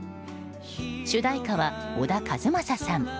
主題歌は小田和正さん。